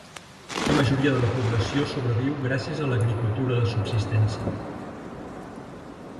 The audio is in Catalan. La majoria de la població sobreviu gràcies a l'agricultura de subsistència.